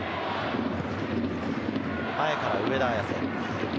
前から上田綺世。